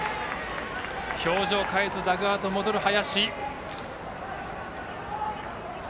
表情変えず、ダグアウトに戻る林。